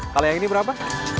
kalau yang ini berapa